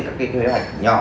các cái kế hoạch nhỏ